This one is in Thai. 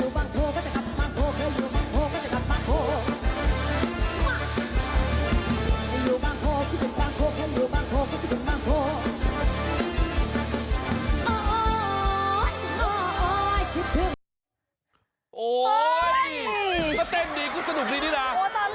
มันก็เต้นดีกูสนุกดีดีล่ะ